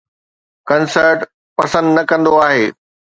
concert پسند نه ڪندو آهي